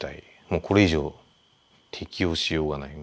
もうこれ以上適応しようがない。